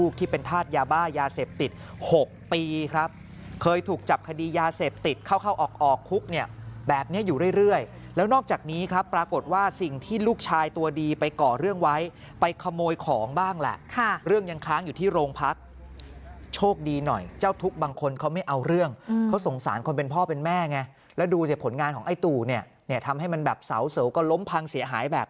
ที่เป็นธาตุยาบ้ายาเสพติด๖ปีครับเคยถูกจับคดียาเสพติดเข้าเข้าออกออกคุกเนี่ยแบบนี้อยู่เรื่อยแล้วนอกจากนี้ครับปรากฏว่าสิ่งที่ลูกชายตัวดีไปก่อเรื่องไว้ไปขโมยของบ้างแหละเรื่องยังค้างอยู่ที่โรงพักโชคดีหน่อยเจ้าทุกข์บางคนเขาไม่เอาเรื่องเขาสงสารคนเป็นพ่อเป็นแม่ไงแล้วดูจากผลงานของไอ้ตู่เนี่ยเนี่ยทำให้มันแบบเสาก็ล้มพังเสียหายแบบ